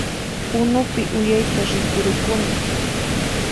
Unupi uyayta rikurukuni